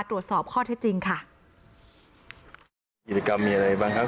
ตรวจสอบข้อเท็จจริงค่ะกิจกรรมมีอะไรบ้างครับ